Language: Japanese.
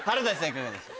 いかがでした？